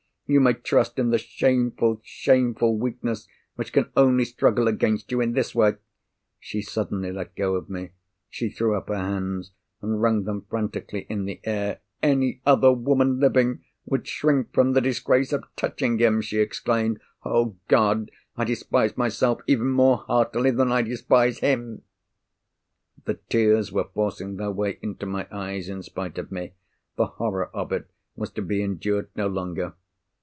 You may trust in the shameful, shameful weakness which can only struggle against you in this way!" She suddenly let go of me—she threw up her hands, and wrung them frantically in the air. "Any other woman living would shrink from the disgrace of touching him!" she exclaimed. "Oh, God! I despise myself even more heartily than I despise him!" The tears were forcing their way into my eyes in spite of me—the horror of it was to be endured no longer.